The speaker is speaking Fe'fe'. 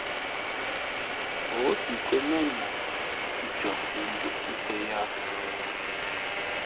O si kwēn nά nu si ncohsi njūʼ nten yāā.